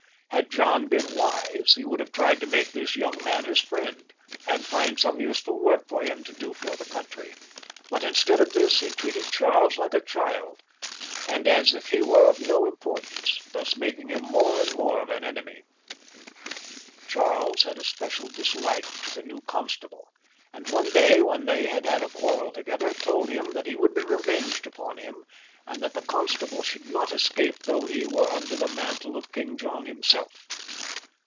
Had John been wise, he would have tried to make this young man his friend, and find some useful work for him to do for the country ; but instead of 166 JOHN {LE BON). [cH. this he treated Charles like a child, and as if he were of no importance, thus making him more and more of an enemy. Charles had a special disUke to the new constable, and one day, when they had had a quarrel together, told him that he would be revenged upon him, and that the con stable should not escape though he were under the mantle of King John himself.